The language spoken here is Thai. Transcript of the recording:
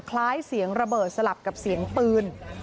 คล้ายเสียงระเบิดสลับกับเสียงปืน